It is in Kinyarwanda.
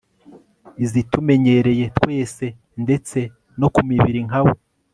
izitumenyereye twese, ndetse no ku mibiri nka we